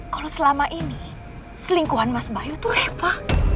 kalau selama ini selingkuhan mas bayu itu hepa